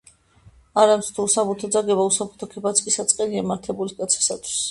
„არამც თუ უსაბუთო ძაგება, უსაბუთო ქებაც კი საწყენია მართებულის კაცისათვის.“